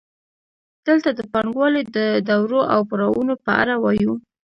دلته د پانګوالۍ د دورو او پړاوونو په اړه وایو